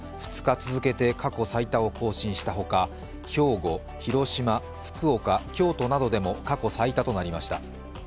２日続けて過去最多を更新したほか兵庫、福岡、京都などでも過去最多となりました。